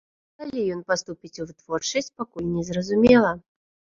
Калі ён паступіць у вытворчасць, пакуль незразумела.